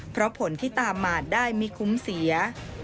เพราะผลที่ตามมาได้ไม่คุ้มเสีย